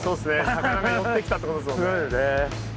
魚が寄ってきたってことですもんね。